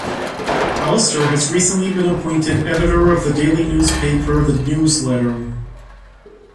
Alistair has recently been appointed editor of the daily news paper The News Letter.